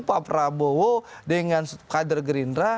pak prabowo dengan kader gerindra